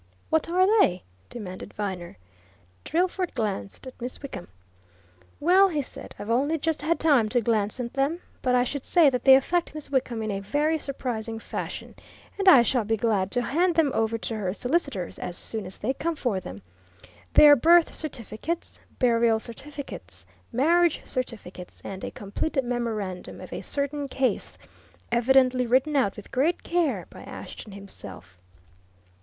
"What are they?" demanded Viner. Drillford glanced at Miss Wickham. "Well," he said, "I've only just had time to glance at them, but I should say that they affect Miss Wickham in a very surprising fashion, and I shall be glad to hand them over to her solicitors as soon as they come for them. They're birth certificates, burial certificates, marriage certificates, and a complete memorandum of a certain case, evidently written out with great care by Ashton himself.